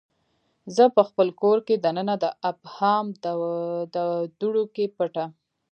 زه پخپل کور کې دننه د ابهام دوړو کې پټه